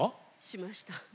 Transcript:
しました。